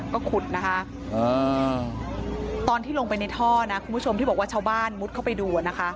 ก็ขุดนะคะตอนที่ลงไปในท่อนะคุณผู้ชมที่บอกว่าชาวบ้านมุดเข้าไปดู